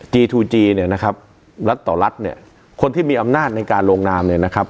จีทูจีเนี่ยนะครับรัฐต่อรัฐเนี่ยคนที่มีอำนาจในการลงนามเนี่ยนะครับ